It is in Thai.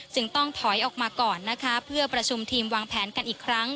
ต้องถอยออกมาก่อนนะคะเพื่อประชุมทีมวางแผนกันอีกครั้ง